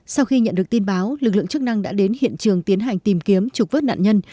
sau khi nhận được tin báo lực lượng chức năng đã đến hiện trường tiến hành tìm kiếm trục vớt nạn nhân